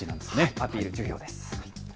アピール重要です。